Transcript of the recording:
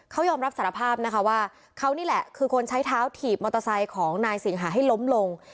เขายอมรับสารภาพนะคะว่าเขานี่แหละคือคนใช้เท้าถีบมอเตอร์ไซค์ของนายสิงหาให้ล้มลง